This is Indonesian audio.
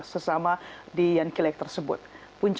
sesama di yankelec tersebut punca